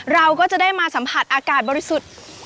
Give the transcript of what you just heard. เราก็จะได้มาสัมผัสอากาศบริสุทธิ์